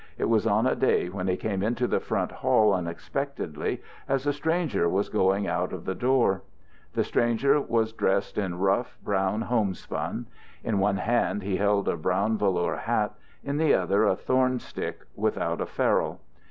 It was on a day when he came into the front hall unexpectedly as a stranger was going out of the door. The stranger was dressed in rough, brown homespun; in one hand he held a brown velour hat, in the other a thorn stick without a ferrule.